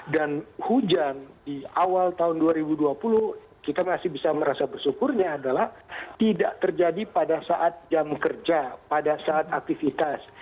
dan hujan di awal tahun dua ribu dua puluh kita masih bisa merasa bersyukurnya adalah tidak terjadi pada saat jam kerja pada saat aktivitas